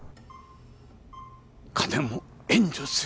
金も援助する。